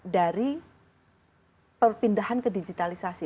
dari perpindahan ke digitalisasi